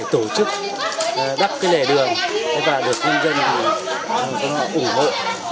tổ chức đắp lề đường được nhân dân ủng hộ